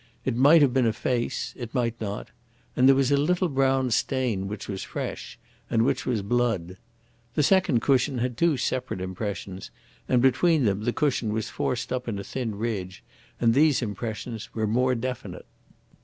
It might have been a face it might not; and there was a little brown stain which was fresh and which was blood. The second cushion had two separate impressions, and between them the cushion was forced up in a thin ridge; and these impressions were more definite.